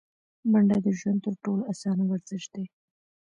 منډه د ژوند تر ټولو اسانه ورزش دی